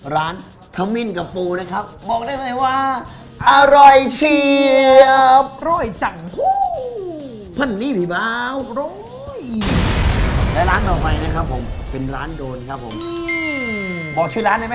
ร้านขมิ้นกับปูนะครับ